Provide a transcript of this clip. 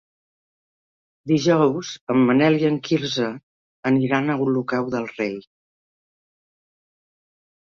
Dijous en Manel i en Quirze aniran a Olocau del Rei.